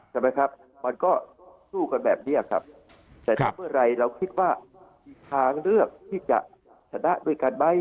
ใช่ไหมครับมันก็สู้กันแบบนี้ครับแต่ถ้าเมื่อไหร่เราคิดว่ามีทางเลือกที่จะชนะด้วยกันไหม